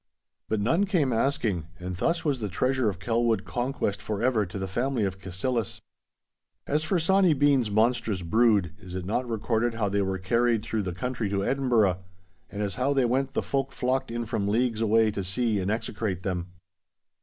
But none came asking, and thus was the Treasure of Kelwood conquest for ever to the family of Cassillis. As for Sawny Bean's monstrous brood, is it not recorded how they were carried through the country to Edinburgh, and as how they went the folk flocked in from leagues away to see and execrate them.